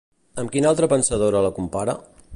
Amb quina altra pensadora la compara?